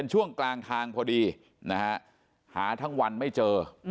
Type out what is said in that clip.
หาทั้งวันไม่เจอ